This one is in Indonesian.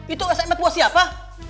itu sms buat siapa